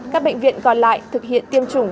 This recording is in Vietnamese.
các bệnh viện còn lại thực hiện tiêm chủng